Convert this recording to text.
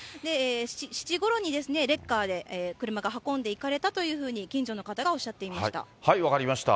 ７時ごろにレッカーで車が運んでいかれたというふうに近所の方が分かりました。